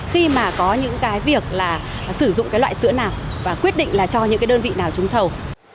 khi mà có những cái việc là sử dụng cái loại sữa nào và quyết định là cho những cái đơn vị nào trúng thầu